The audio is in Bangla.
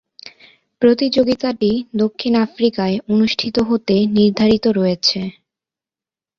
প্রতিযোগিতাটি দক্ষিণ আফ্রিকায় অনুষ্ঠিত হতে নির্ধারিত রয়েছে।